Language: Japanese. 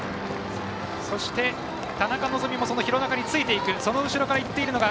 そして、田中希実もその廣中についていく。